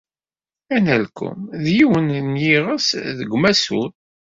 Analkum d yiwen n yiɣes seg umasur.